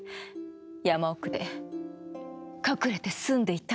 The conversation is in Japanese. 山奥で隠れて住んでいたの。